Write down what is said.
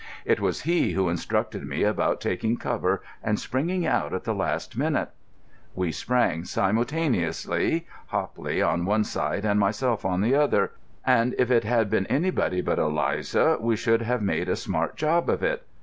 It was he who instructed me about taking cover and springing out at the last minute. We sprang simultaneously, Hopley on one side and myself on the other, and if it had been anybody but Eliza we should have made a smart job of it.